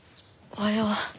おはよう。